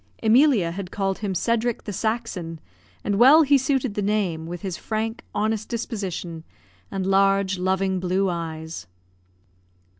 Emilia had called him Cedric the Saxon; and he well suited the name, with his frank, honest disposition, and large, loving blue eyes.